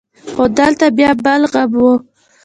خو دلته بيا بل غم و.